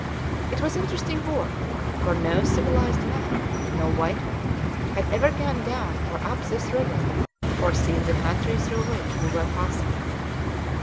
It was interesting work, for no civilized man, no white man, had ever gone down or up this river or seen the country through which we were passing.